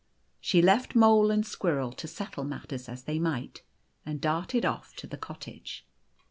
She left Mole and Squirrel to settle matters as they might, and darted off to the cottage.